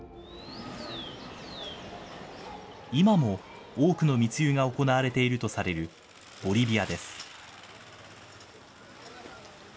今も多くの密輸が行われているとされるボリビアです。